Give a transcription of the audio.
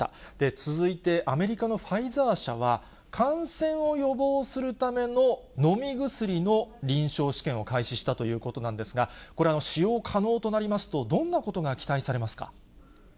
続いてアメリカのファイザー社は、感染を予防するための飲み薬の臨床試験を開始したということなんですが、これ、使用可能となりますと、どんなことが期待されますか？